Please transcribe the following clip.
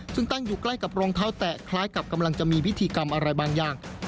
ซึ่งตั้งอยู่ใกล้กับรองเท้าแตะคล้ายกับกำลังจะมีพิธีกรรมอะไรบางอย่าง